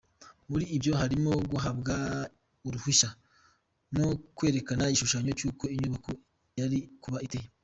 Muri ibyo harimo guhabwa uruhushya no kwerekana igishushanyo cy’uko inyubako yari kuba iteye.